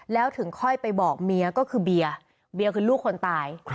แล้วถึงค่อยไปบอกเมียก็คือเบียร์เบียร์คือลูกคนตาย